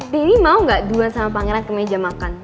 danny mau gak duan sama pangeran ke meja makan